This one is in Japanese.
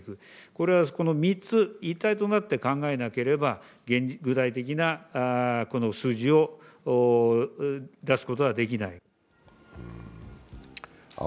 これは３つ一体となって考えなければ具体的な数字を出すことはできない。